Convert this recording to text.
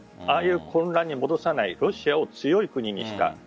ああいう国に戻さないロシアを強い国にした。